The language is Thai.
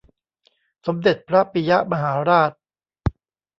สมเด็จพระปิยมหาราช